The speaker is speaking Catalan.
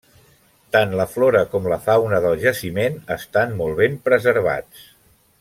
Tant la flora com la fauna del jaciment estan molt ben preservats.